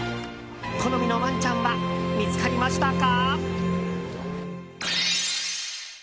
好みのワンちゃんは見つかりましたか？